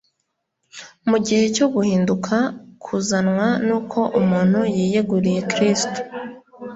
Mu gihe cyo guhinduka kuzanwa n'uko umuntu yiyeguriye Kristo,